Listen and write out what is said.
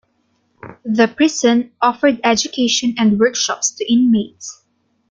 The prison offered education and workshops to inmates.